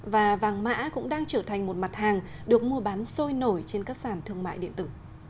và vàng mã cũng đang trở thành một mặt hàng được mua bán sôi nổi trên các sản thương mại điện tử